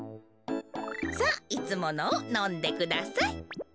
さあいつものをのんでください。